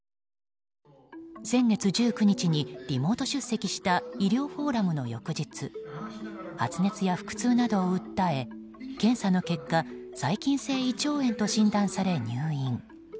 先月１９日に、リモート出席した医療フォーラムの翌日発熱や腹痛などを訴え検査の結果細菌性胃腸炎と診断され入院。